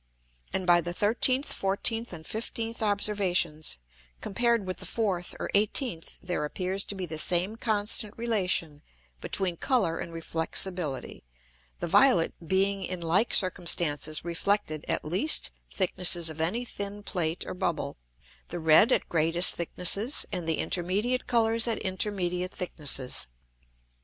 And by the 13th, 14th, and 15th Observations, compared with the 4th or 18th there appears to be the same constant relation between Colour and Reflexibility; the violet being in like circumstances reflected at least thicknesses of any thin Plate or Bubble, the red at greatest thicknesses, and the intermediate Colours at intermediate thicknesses.